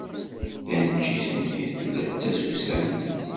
Taneččit-nni tella d tasusamt.